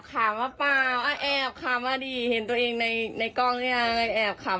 ทำไมไม่เข้าต้องเลยครับ